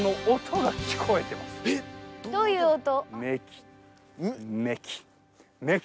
どういう音？